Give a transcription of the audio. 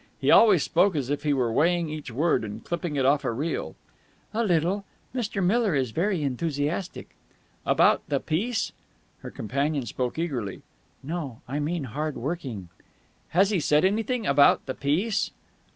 He always spoke as if he were weighing each word and clipping it off a reel. "A little. Mr. Miller is very enthusiastic." "About the piece?" Her companion spoke eagerly. "No; I meant hard working." "Has he said anything about the piece?"